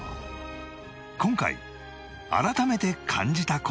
今回改めて感じた事